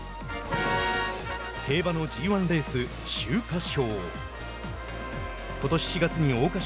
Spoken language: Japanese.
競馬のＧ１レース秋華賞。